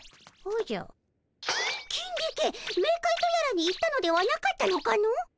キンディケメーカイとやらに行ったのではなかったのかの？